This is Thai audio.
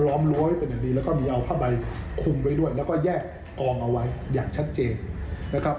ร้อมลั้วให้เป็นแบบนี้แล้วก็เอาผ้าใบคลุมไว้ด้วยและแยกกรองเอาไว้อย่างชัดเจนนะครับ